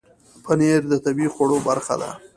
پنېر د طبیعي خوړو برخه ده.